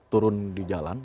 turun di jalan